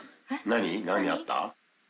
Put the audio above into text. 何あった？